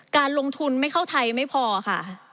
การลงทุนไม่เข้าไทยไม่พอค่ะ